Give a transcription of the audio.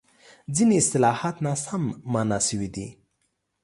ځینې اصطلاحات ناسم مانا شوي دي.